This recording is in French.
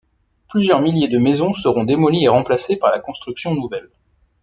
Plusieurs milliers de maisons seront démolies et remplacées par la construction nouvelles.